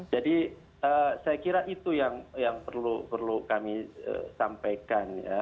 jadi saya kira itu yang perlu kami sampaikan ya